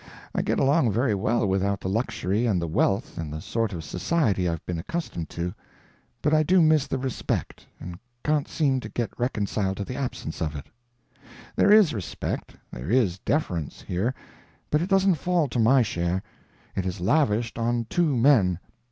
I get along very well without the luxury and the wealth and the sort of society I've been accustomed to, but I do miss the respect and can't seem to get reconciled to the absence of it. There is respect, there is deference here, but it doesn't fall to my share. It is lavished on two men.